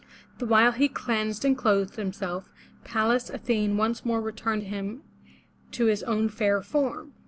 The while he cleansed and clothed himself, Pallas Athene once more returned him to his own fair form.